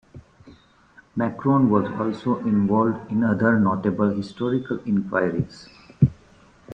McCrone was also involved in other notable historical inquiries.